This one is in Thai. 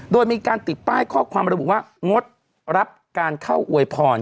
โดยมีการติดป้ายข้อความระบุว่างดรับการเข้าอวยพร